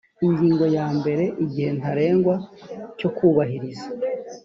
ingingo ya mbere igihe ntarengwa cyo kubahiriza